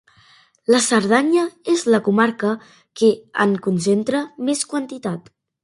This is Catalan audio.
La Cerdanya és la comarca que en concentra més quantitat.